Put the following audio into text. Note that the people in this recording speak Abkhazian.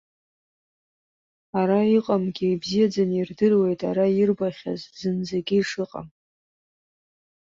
Ара иҟамгьы ибзиаӡаны ирдыруеит ара ирбахьаз зынӡагьы ишыҟам.